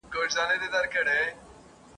د اکبر په ميخانوکي !.